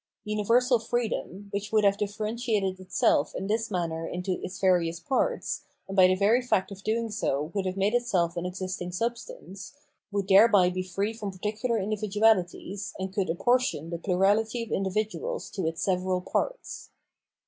Universal freedom, which would have differentiated itself in this manner into its various parts, and by the very fact of doing so would have made itself an existing substance, would thereby be free from par ticular individualities, and could apportion the plurality of individuals to its several parts.